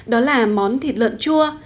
đó là món thịt lợn chua